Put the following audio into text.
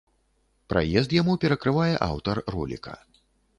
Праезд яму перакрывае аўтар роліка.